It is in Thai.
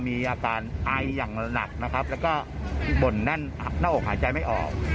มีอาการไออย่างหนักนะครับแล้วก็บ่นแน่นหน้าอกหายใจไม่ออก